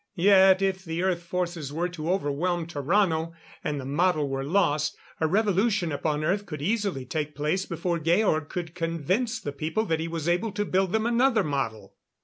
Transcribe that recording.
Yet if the Earth forces were to overwhelm Tarrano, and the model were lost, a revolution upon Earth could easily take place before Georg could convince the people that he was able to build them another model.